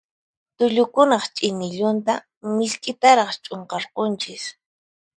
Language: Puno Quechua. Tullukunaq chinillunta misk'itaraq ch'unqarqunchis.